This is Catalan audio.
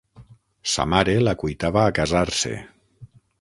Sa mare l'acuitava a casar-se.